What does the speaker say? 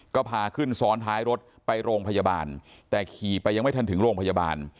ก็พาขึ้นซ้อนท้ายรถไปโรงพยาบาลแต่ขี่ไปยังไม่ทันถึงโรงพยาบาล